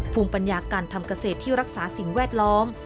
ภูมิปัญญาการทำเกษตรที่รักษาสิ่งแวดล้อม